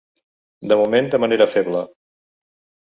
De moment de manera feble.